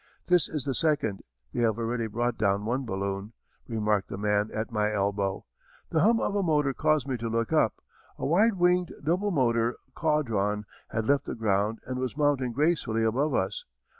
"This is the second; they have already brought down one balloon," remarked the man at my elbow. The hum of a motor caused me to look up. A wide winged double motor, Caudron, had left the ground and was mounting gracefully above us.